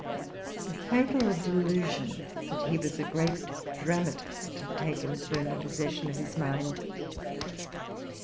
The fatal delusion that he was a great dramatist had taken firm possession of his mind.